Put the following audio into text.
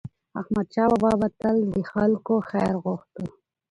احمدشاه بابا به تل د خلکو خیر غوښت.